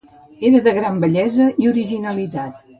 Era de gran bellesa i originalitat.